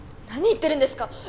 何言ってるんですか？